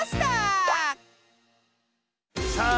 さあ